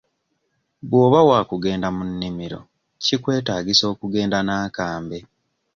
Bw'oba waakugenda mu nnimiro kikwetaagisa okugenda n'akambe.